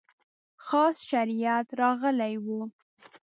خاص شریعت راغلی و.